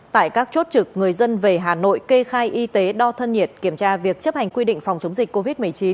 tại các chốt trực người dân về hà nội kê khai y tế đo thân nhiệt kiểm tra việc chấp hành quy định phòng chống dịch covid một mươi chín